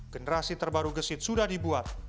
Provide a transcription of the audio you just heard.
generasi terbaru gesit sudah dibuat